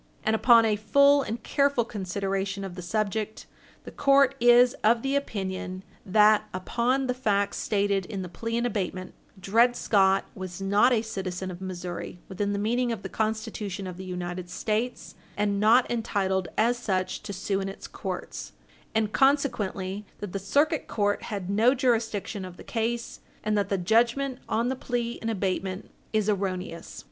And, upon a full and careful consideration of the subject, Page 60 U. S. 427 the court is of opinion, that, upon the facts stated in the plea in abatement, Dred Scott was not a citizen of Missouri within the meaning of the Constitution of the United States, and not entitled as such to sue in its courts, and consequently that the Circuit Court had no jurisdiction of the case, and that the judgment on the plea in abatement is erroneous.